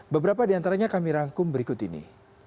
beberapa di antaranya kami rangkum berikut ini